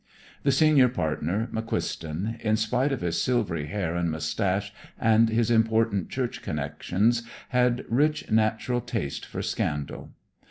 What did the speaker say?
The senior partner, McQuiston, in spite of his silvery hair and mustache and his important church connections, had rich natural taste for scandal.